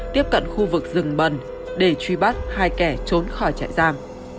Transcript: tiếp cận khu vực rừng bần để truy bắt hai kẻ trốn khỏi trại giam